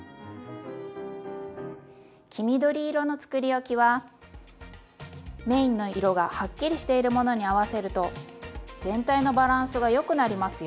黄緑色のつくりおきはメインの色がはっきりしているものに合わせると全体のバランスがよくなりますよ。